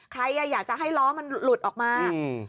ใครอยากจะให้ล้อมันหลุดออกมา